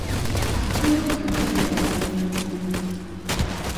Akalulu kano kagenda kunyuma nnyo.